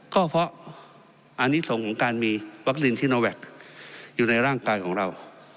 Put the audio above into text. ก็เพราะอันนี้ส่งของการมีวัคซีนซิโนแวคอยู่ในร่างกายของเรา